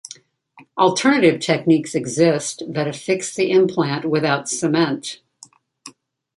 Alternative techniques exist that affix the implant without cement.